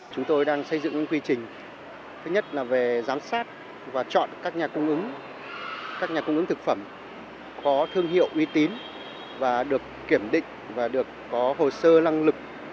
chúng tôi đang xây dựng những quy trình thứ nhất là về giám sát và chọn các nhà cung ứng các nhà cung ứng thực phẩm có thương hiệu uy tín và được kiểm định và được có hồ sơ năng lực